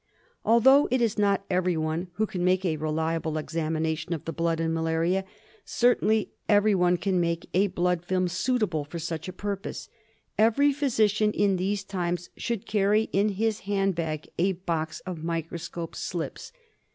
Although it is not everyone who can make a reli^^ble examination of the blood in malaria, certainly every one can make a blood film suitable for such a purpose. Every physician in these times should carry in his hand bag a box of microscope slips.